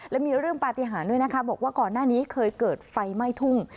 และมีเรื่องปฏิหารด้วยนะคะบอกว่าก่อนหน้านี้เคยเกิดไฟไหม้ทุ่ง